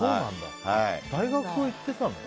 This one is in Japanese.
大学行ってたんだ。